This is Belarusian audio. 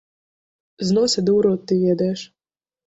З носа ды ў рот ты ведаеш!